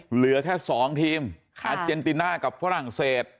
เหลือแค่๒ทีมอาเจนติน่ากับฝรั่งเศส